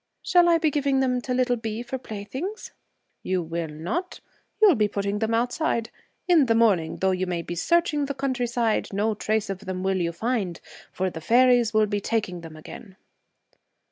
'Shall I be giving them to little Bee for playthings?' 'You will not. You'll be putting them outside. In the morning, though you may be searching the countryside, no trace of them will you find, for the fairies will be taking them again.'